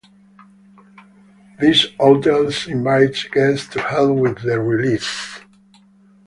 These hotels invites guest to help with the release.